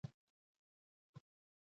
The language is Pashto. مضمون او موضوع باندي اغېزه ونه لري.